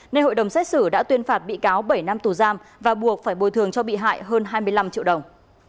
nên hội đồng xét xử đã tuyên phạt bị cáo bảy năm tù giam và buộc phải bồi thường cho bị hại hơn hai mươi năm triệu đồng